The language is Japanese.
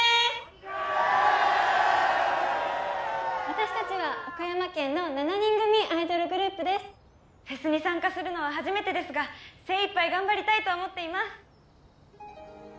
私たちは岡山県の７人組アイドルグループですフェスに参加するのは初めてですが精一杯頑張りたいと思っています